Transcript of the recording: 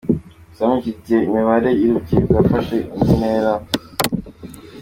Gusa muri iki gihe imibanire y’urubyiruko yafashe indi ntera.